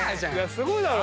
すごいだろ？